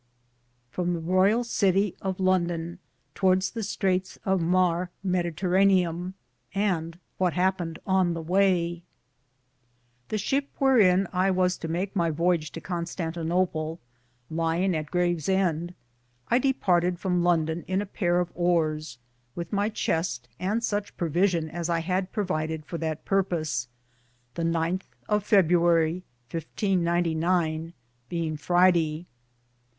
from The Royall Cittie of London towardes The Straites of Mariemediteranum, and what hapened by the waye. HE shipp whearin I was to make my voyege to Constantinople, Lyinge at Graves ende, I Departed from Lon done in a pare of ores, with my chiste and suche provition as I had provided for that purpose, the nynthe of Februarie 1598 (1599), being Fry day e.